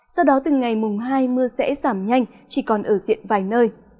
sau đó từ ngày mùng hai mưa sẽ giảm nhanh chỉ còn ở diện vài nơi